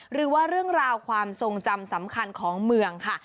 หรือว่าเรื่องราวความทรงจำสำคัญของเมืองค่ะ